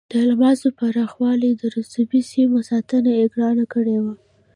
د الماسو پراخو رسوبي سیمو ساتنه یې ګرانه کړې وه.